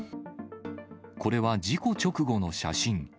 これは事故直後の写真。